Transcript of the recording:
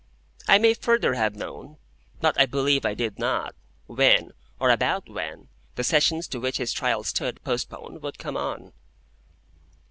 I may further have known, but I believe I did not, when, or about when, the Sessions to which his trial stood postponed would come on.